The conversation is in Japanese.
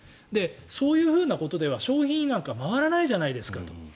そういうことでは消費になんか回らないじゃないですかと。